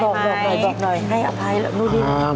บอกหน่อยให้อภัยแล้วรู้ดินะครับ